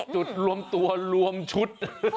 จุดรวมตัวรวมชุด